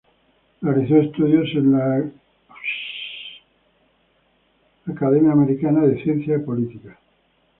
Realizó estudios en la American Academy of Political Science.